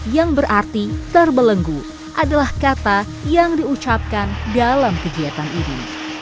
yang berarti terbelenggu adalah kata yang diucapkan dalam kegiatan ini